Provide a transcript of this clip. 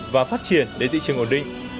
và phát triển để thị trường ổn định